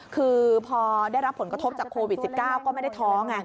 คือพอได้รับผลกระทบจากโควิด๑๙ก็ไม่ได้ท้อไง